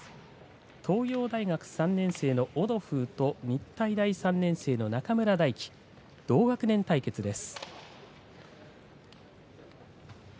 東洋大学３年生のオドフーと日体大３年生の中村泰輝同学年対決です。